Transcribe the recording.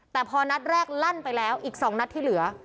แต่พอนัดแรกลั่นไปแล้วอีก๒นัดที่เหลือ